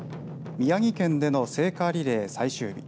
宮城県での聖火リレー最終日。